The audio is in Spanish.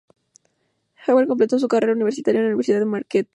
Hayward completó su carrera universitaria en la Universidad de Marquette.